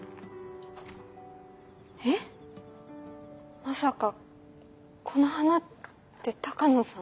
えっまさかこの花って鷹野さん？